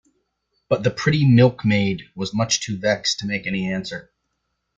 But the pretty milk-maid was much too vexed to make any answer.